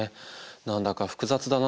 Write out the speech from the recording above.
何だか複雑だな。